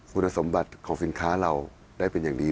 คุณสมบัติของสินค้าเราได้เป็นอย่างดี